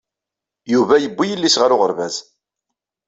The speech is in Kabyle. Yuba yewwi yelli-s ɣer uɣerbaz.